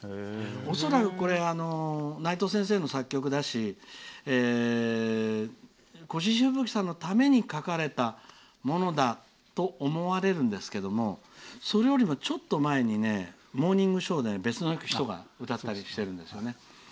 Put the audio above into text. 恐らく内藤先生の作曲だし越路吹雪さんのために書かれたものだと思われるんですけどそれよりもちょっと前に別の人が歌ったりしてるんですね。